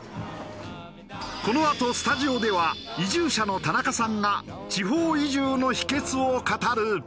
このあとスタジオでは移住者の田中さんが地方移住の秘訣を語る！